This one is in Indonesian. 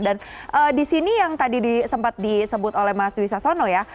dan disini yang tadi sempat disebut oleh mas nwisah salono ya